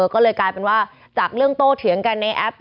ก็เลยกลายเป็นว่าจากเรื่องโต้เถียงกันในแอป